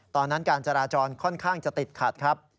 การจราจรค่อนข้างจะติดขัดครับ